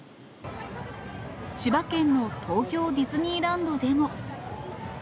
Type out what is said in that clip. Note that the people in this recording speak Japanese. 千葉県の東京ディズニーランドでも。